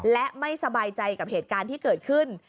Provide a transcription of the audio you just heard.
และไม่สบายใจกับเหตุการณ์ที่เกิดขึ้น